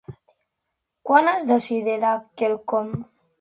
Quan es decidirà quelcom?